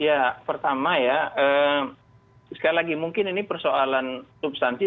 ya pertama ya sekali lagi mungkin ini persoalan substansi